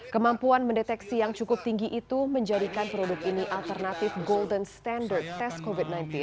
kemampuan mendeteksi yang cukup tinggi itu menjadikan produk ini alternatif golden standard test covid sembilan belas